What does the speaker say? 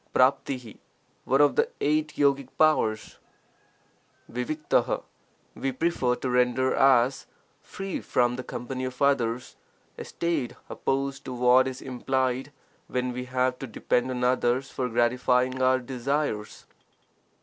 Jiifoi:, one of the eight yogic powers, fafatfi: we prefer to render as 'free from the company of others' — a state opposed to what is implied when we have to depend on others for gratifying our desires.